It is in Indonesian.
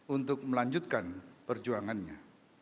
untuk melanjutkan perjuangannya